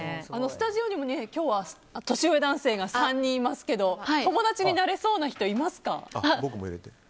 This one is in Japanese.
スタジオにも今日は年上男性が３人いますけど友達になれそうな人いますか？